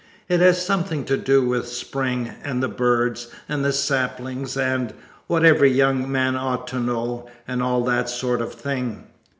It has something to do with Spring, and the birds, and the saplings and "What Every Young Man Ought to Know" and all that sort of thing.